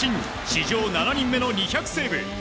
史上７人目の２００セーブ。